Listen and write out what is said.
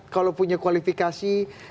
kalau punya kualifikasi